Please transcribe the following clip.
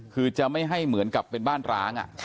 คือจะไม่ให้เหมือนกับเป็นบ้านร้าง